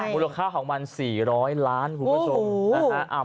ผู้ราคาของมัน๔๐๐ล้านคุณผู้ผู้ชม